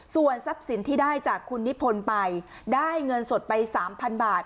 ส่วนทรัพย์สินที่ได้จากคุณนิพนธ์ไปได้เงินสดไป๓๐๐บาท